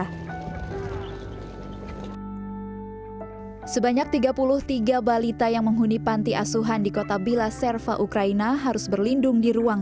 hai sebanyak tiga puluh tiga balita yang menghuni panti asuhan di kota bila serva ukraina harus berlindung di ruang